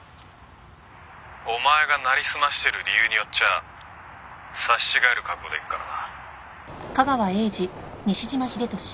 「お前がなりすましてる理由によっちゃ刺し違える覚悟でいくからな」